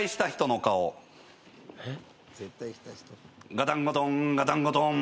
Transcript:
ガタンゴトンガタンゴトン。